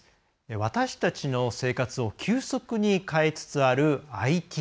私たちの生活を急速に変えつつあるＩＴ。